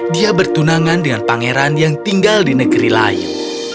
dia bertunangan dengan pangeran yang tinggal di negeri layu